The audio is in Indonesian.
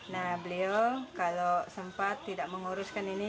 nah beliau kalau sempat tidak menguruskan ini